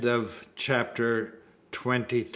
CHAPTER TWENTY FOUR.